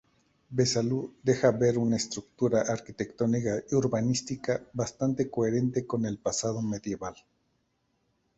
Besalú deja ver una estructura arquitectónica y urbanística bastante coherente con el pasado medieval.